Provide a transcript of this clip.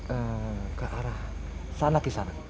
eee ke arah sana kisana